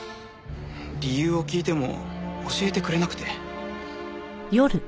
理由を聞いても教えてくれなくて。